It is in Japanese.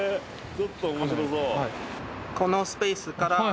このスペースから。